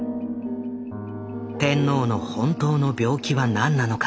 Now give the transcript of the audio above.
天皇の本当の病気は何なのか。